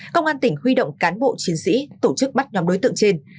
công an tỉnh huy động cán bộ chiến sĩ tổ chức bắt nhóm đối tượng trên